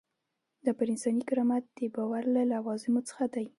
دا پر انساني کرامت د باور له لوازمو څخه دی.